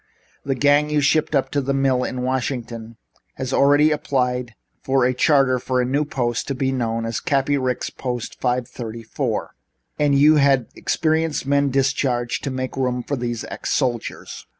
The gang you shipped up to the mill in Washington has already applied for a charter for a new post to be known as Cappy Ricks Post No. 534. And you had experienced men discharged to make room for these ex soldiers."